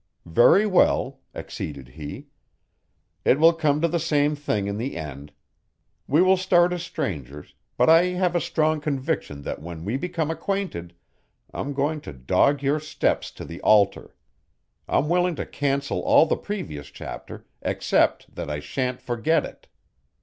"Very well," acceded he. "It will come to the same thing in the end. We will start as strangers, but I have a strong conviction that when we become acquainted, I'm going to dog your steps to the altar. I'm willing to cancel all the previous chapter, except that I sha'n't forget it....